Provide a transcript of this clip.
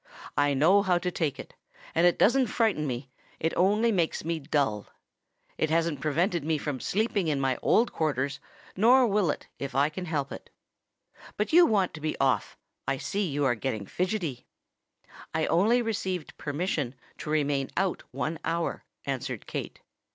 "I know how to take it; and it doesn't frighten me; it only makes me dull. It hasn't prevented me from sleeping in my old quarters; nor will it, if I can help it. But you want to be off—I see you are getting fidgetty." "I only received permission to remain out one hour," answered Kate.